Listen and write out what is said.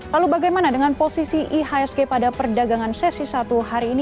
lalu bagaimana dengan posisi ihsg pada perdagangan sesi satu hari ini